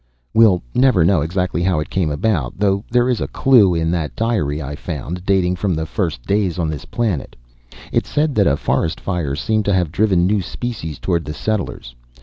"We'll never know exactly how it came about, though there is a clue in that diary I found, dating from the first days on this planet. It said that a forest fire seemed to have driven new species towards the settlers.